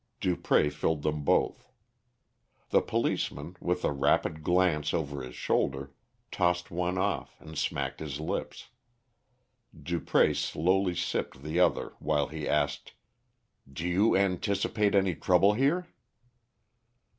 Dupré filled them both. The policeman, with a rapid glance over his shoulder, tossed one off, and smacked his lips. Dupré slowly sipped the other while he asked "Do you anticipate any trouble here?"